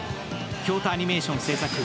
京都アニメーション制作。